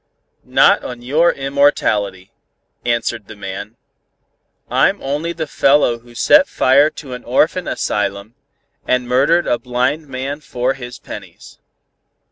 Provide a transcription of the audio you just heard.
"'Not on your immortality,' answered the man. 'I'm only the fellow who set fire to an orphan asylum, and murdered a blind man for his pennies.'